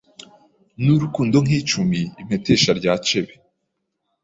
N'urukundo nk'icumi Impetesha rya cebe.